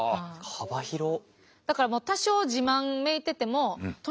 幅広っ。